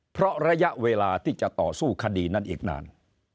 เพราะระยะเวลาที่จะต่อสู้คดีนั้นอีกนาน